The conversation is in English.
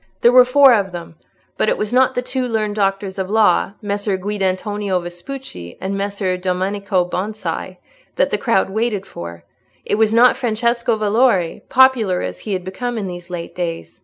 There were four of them; but it was not the two learned doctors of law, Messer Guidantonio Vespucci and Messer Domenico Bonsi, that the crowd waited for; it was not Francesco Valori, popular as he had become in these late days.